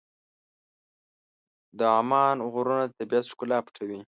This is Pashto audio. د عمان غرونه د طبیعت ښکلا پټوي.